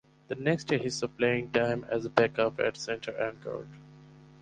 The next year, he saw playing time as a backup at center and guard.